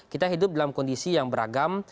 kita hidup dalam kondisi yang beragam